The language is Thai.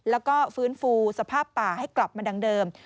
แล้วก็ฟื้นฟูสภาพป่าให้กลับมาดังเดิม